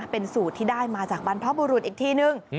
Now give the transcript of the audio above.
เป็นสูตรที่ได้มาจากบรรพบุรุษอีกทีนึง